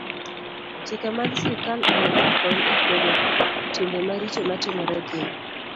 Chike mag sirkal onego okony e kwedo timbe maricho matimore e piny.